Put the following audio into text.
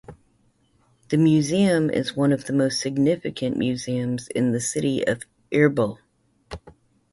The museum is one of the most significant museums in the city of Erbil.